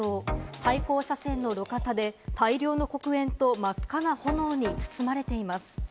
対向車線の路肩で大量の黒煙と真っ赤な炎に包まれています。